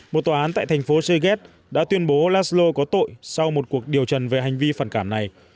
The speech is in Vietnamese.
một tòa án tại thành phố segest đã tuyên bố laslo có tội sau một cuộc điều trần về hành vi phản cảm này